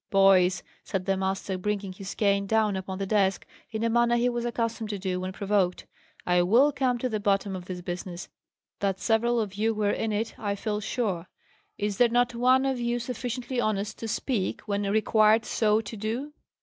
"Boys!" said the master, bringing his cane down upon the desk in a manner he was accustomed to do when provoked: "I will come to the bottom of this business. That several of you were in it, I feel sure. Is there not one of you sufficiently honest to speak, when required so to do?"